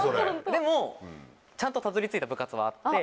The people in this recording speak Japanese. でもちゃんとたどり着いた部活はあって。